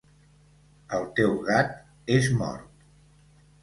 El teu gat és mort.